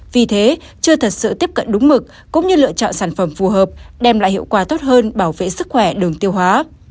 vì thế chưa thật sự tiếp cận đúng mực cũng như lựa chọn sản phẩm phù hợp đem lại hiệu quả tốt hơn bảo vệ sức khỏe đường tiêu hóa